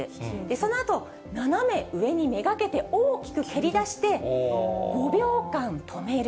そのあと斜め上に目がけて大きく蹴りだして、５秒間止める。